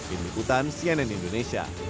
inikutan cnn indonesia